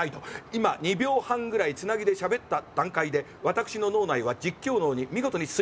今２秒半ぐらいつなぎでしゃべった段階で私の脳内は実況脳に見事にスイッチしたわけであります。